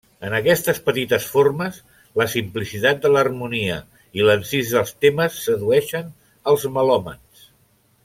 En aquestes petites formes, la simplicitat de l'harmonia i l'encís dels temes sedueixen els melòmans.